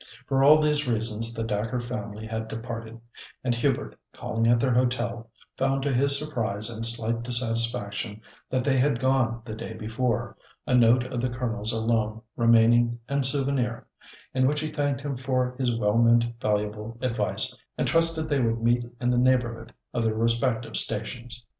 For all these reasons the Dacre family had departed; and Hubert, calling at their hotel, found to his surprise and slight dissatisfaction, that they had gone the day before, a note of the Colonel's alone remaining en souvenir, in which he thanked him for his well meant, valuable advice, and trusted they would meet in the neighbourhood of their respective stations.